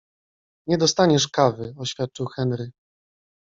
- Nie dostaniesz kawy - oświadczył Henry.